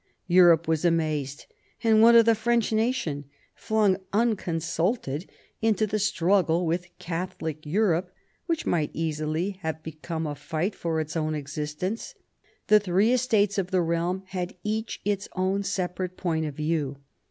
Europe was amazed : and what of the French nation, flung unconsulted into the struggle with Catholic Europe which might easily have become a fight for its own exist ence ? The three Estates of the realm had each its own separate point of view.